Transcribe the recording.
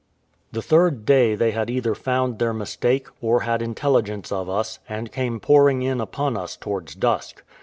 The third day they had either found their mistake, or had intelligence of us, and came pouring in upon us towards dusk.